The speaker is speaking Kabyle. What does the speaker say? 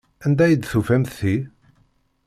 Anda ay d-tufamt ti?